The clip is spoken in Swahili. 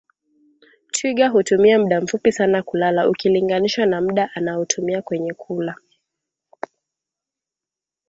Twiga hutumia muda mfupi sana kulala ukilinganisha na muda anaotumia kwenye kula